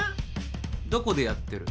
どこでやってる？